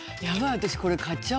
私。